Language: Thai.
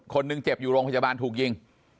คนเจ็บอยู่โรงพยาบาลถูกยิง